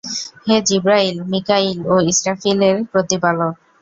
হে জিবরাঈল, মীকাঈল ও ইসরাফীল-এর প্রতিপালক!